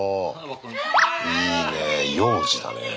いいねえ幼児だね。